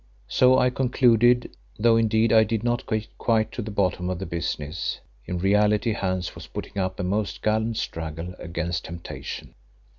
So I concluded, though indeed I did not get quite to the bottom of the business. In reality Hans was putting up a most gallant struggle against temptation.